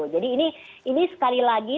jadi ini sekali lagi